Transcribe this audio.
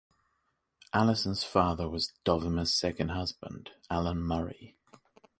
Allison's father was Dovima's second husband, Allan Murray.